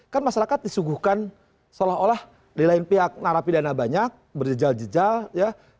kan masyarakat disuguhkan seolah olah di lain pihak narapidana banyak berjejal jejal ya